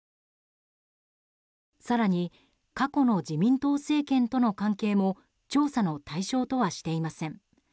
更に過去の自民党政権との関係も調査の対象とはしていません。